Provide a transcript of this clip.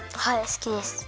すきです。